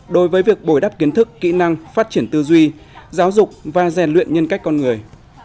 đối với việc bồi đắp kiến thức kỹ năng phát triển tư duy giáo dục và rèn luyện nhân cách con người